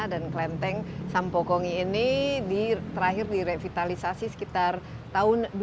dan klenteng sampokong ini terakhir direvitalisasi sekitar tahun dua ribu dua